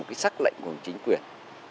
một cái sắc lệnh của chính quyền